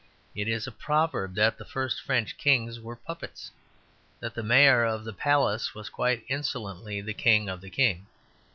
It is a proverb that the first French kings were puppets; that the mayor of the palace was quite insolently the king of the king.